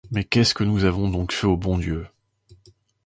Mais qu’est-ce que nous avons donc fait au bon Dieu ?